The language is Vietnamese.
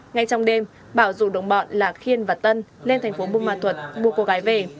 ngay trong đêm bảo rủ đồng bọn là khiên và tân lên thành phố bô mo thuật buộc cô gái về